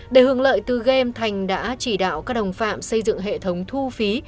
để hưởng lợi từ game thành đã chỉ đạo các đồng phạm xây dựng hệ thống thu phí